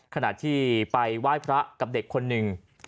ขณะที่ไปไหว้พระกับเด็กคนหนึ่ง